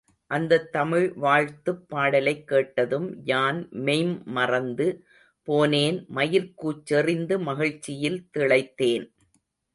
அந்தத் தமிழ் வாழ்த்துப் பாடலைக் கேட்டதும் யான் மெய்ம் மறந்து போனேன் மயிர்க்கூச்செறிந்து மகிழ்ச்சியில் திளைத்தேன்.